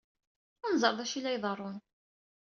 Ad nẓer d acu ay la iḍerrun.